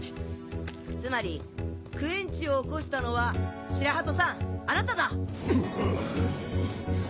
つまりクエンチを起こしたのは白鳩さんあなただ！